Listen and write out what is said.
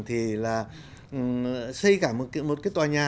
thì là xây cả một cái tòa nhà